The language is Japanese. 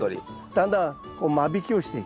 だんだん間引きをしていきます。